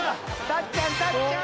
たっちゃんたっちゃん。